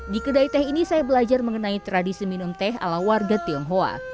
di kedai teh ini saya belajar mengenai tradisi minum teh ala warga tionghoa